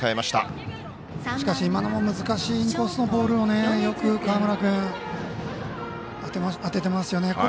しかし、今のも難しいインコースのボールをよく河村君、当ててますよね。